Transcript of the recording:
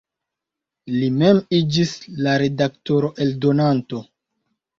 Li mem iĝis la redaktoro-eldonanto.